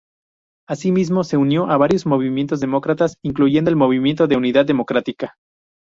Así mismo, se unió a varios movimientos demócratas, incluyendo el Movimento de Unidade Democrática.